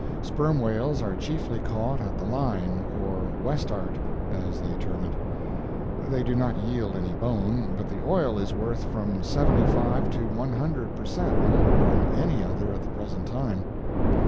Sperm whales are chiefly caught at the "line," or "west'art," as they term it. They do not yield any bone, but the oil is worth from 75 to 100 per cent. more than any other at the present time.